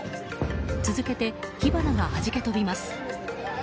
続けて、火花がはじけ飛びます。